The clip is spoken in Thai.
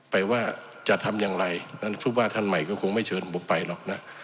ว่าจะทำอย่างไรนั้นผู้ว่าท่านใหม่ก็คงไม่เชิญผมไปหรอกนะ